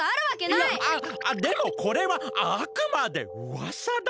いやでもこれはあくまでうわさだから。